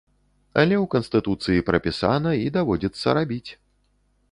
Але ў канстытуцыі прапісана і даводзіцца рабіць.